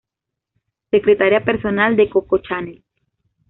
Secretaria personal de Coco Chanel.